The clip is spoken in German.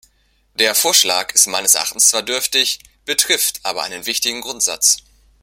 Der Vorschlag ist meines Erachtens zwar dürftig, betrifft aber einen wichtigen Grundsatz.